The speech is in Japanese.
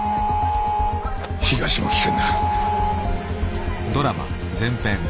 東も危険だ。